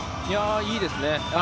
いいですね。